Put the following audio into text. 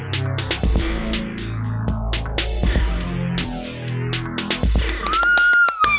satu misi sedang berakhir